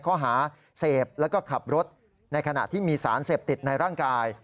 ข้อหาเสพแล้วก็ขับรถในขณะที่มีสารเสพติดในร่างกาย